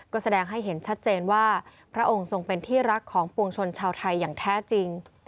ก็แสดงให้เห็นชัดเจนว่าพระองค์ทรงเป็นที่รักของปวงชนชาวไทยอย่างแท้จริง